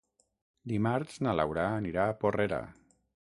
Dimarts na Laura anirà a Porrera.